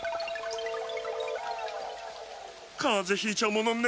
かぜひいちゃうものね。